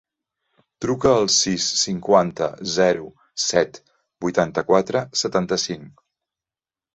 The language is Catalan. Truca al sis, cinquanta, zero, set, vuitanta-quatre, setanta-cinc.